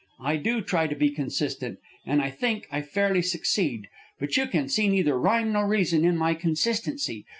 I do try to be consistent, and I think I fairly succeed; but you can see neither rhyme nor reason in my consistency.